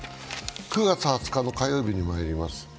９月２０日の火曜日にまいります。